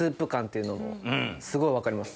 すごい分かります。